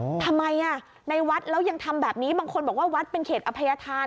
ทำไมอ่ะในวัดแล้วยังทำแบบนี้บางคนบอกว่าวัดเป็นเขตอภัยธาน